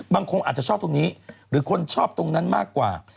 บางคนอาจจะชอบตรงนี้หรือคนชอบตรงนั้นมากกว่า